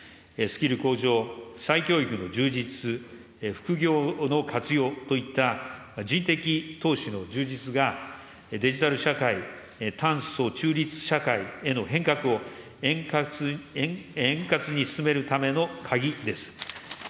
スキル向上、再教育の充実、副業の活用といった、人的投資の充実が、デジタル社会、炭素中立社会への変革を円滑に進めるための鍵です。